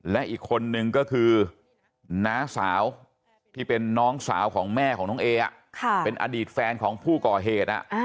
และอีกคนนึงก็คือน้าสาวที่เป็นน้องสาวของแม่ของน้องเอเป็นอดีตแฟนของผู้ก่อเหตุ